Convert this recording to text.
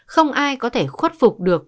không ai có thể khuất phục được